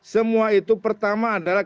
semua itu pertama adalah